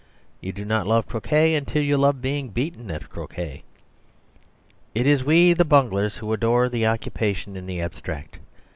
You do not love croquet until you love being beaten at croquet. It is we the bunglers who adore the occupation in the abstract.